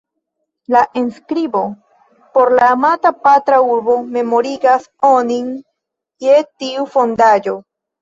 La enskribo "Por la amata patra urbo" memorigas onin je tiu fondaĵo.